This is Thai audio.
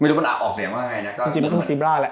ไม่รู้มันออกเสียบ้างไงนะ